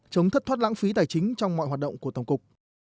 chống thất thoát lãng phí tài chính trong mọi hoạt động của tổng cục